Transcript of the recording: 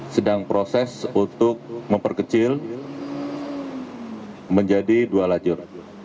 sedang proses untuk memperkecil menjadi dua lajur